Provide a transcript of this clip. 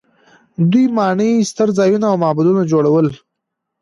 دوی ماڼۍ، ستر ځایونه او معبدونه جوړول.